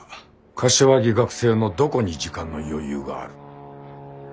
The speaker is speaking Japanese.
柏木学生のどこに時間の余裕がある。